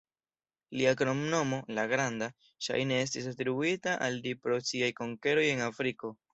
Lia kromnomo, "La Granda", ŝajne estis atribuita al li pro siaj konkeroj en Afriko.